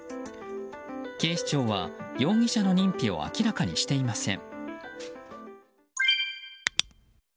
警視庁は容疑者の認否を明らかにしていません。